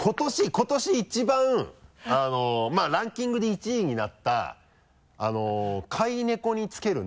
今年一番ランキングで１位になった飼い猫につける名前。